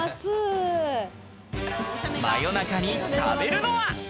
夜中に食べるのは。